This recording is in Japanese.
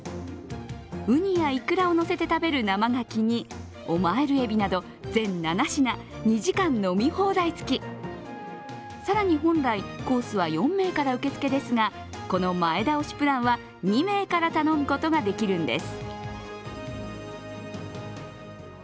うにやいくらを乗せて食べる生がきにオマールえびなど全部７品２時間飲み放題付き、更に今回、コースは４名から受け付けですがこの前倒しプランは２名から頼むことができるんです。